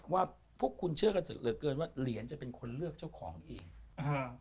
ว่าพวกคุณเชื่อกันเหลือเกินว่าเหรียญจะเป็นคนเลือกเจ้าของเองอ่า